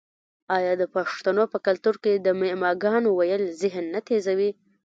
آیا د پښتنو په کلتور کې د معما ګانو ویل ذهن نه تیزوي؟